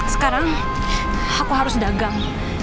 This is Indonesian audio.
sekarang aku harus dagang